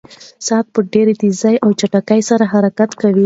ساعت په ډېرې تېزۍ او چټکتیا سره حرکت کوي.